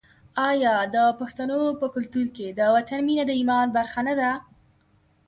آیا د پښتنو په کلتور کې د وطن مینه د ایمان برخه نه ده؟